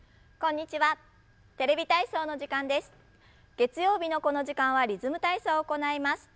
月曜日のこの時間は「リズム体操」を行います。